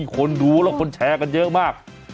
คนดูแล้วคนแชร์กันเยอะมาก